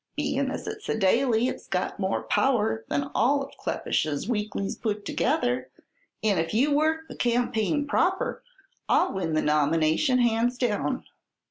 Bein' as it's a daily it's got more power than all of Kleppish's weeklies put together, and if you work the campaign proper I'll win the nomination hands down.